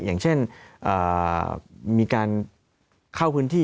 อย่างเช่นมีการเข้าพื้นที่